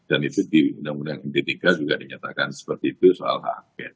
undang undang d tiga juga menyatakan seperti itu soal hak angket